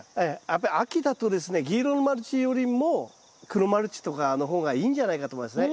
やっぱり秋だとですね銀色のマルチよりも黒マルチとかの方がいいんじゃないかと思いますね。